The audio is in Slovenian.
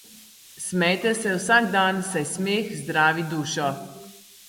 Smejte se vsak dan, saj smeh zdravi dušo.